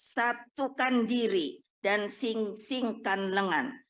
satukan diri dan sing singkan lengan